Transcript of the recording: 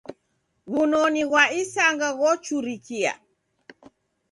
W'unoni ghwa isanga ghochurikia.